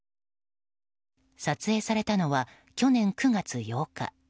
撮影されたのは、去年９月８日。